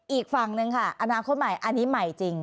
อีกฝั่งหนึ่งค่ะอนาคตใหม่อันนี้ใหม่จริง